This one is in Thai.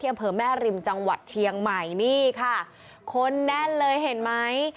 อำเภอแม่ริมจังหวัดเชียงใหม่นี่ค่ะคนแน่นเลยเห็นไหม